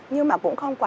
nhưng mà cũng không quá